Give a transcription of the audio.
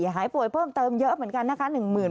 หายป่วยเพิ่มเติมเยอะเหมือนกันนะคะ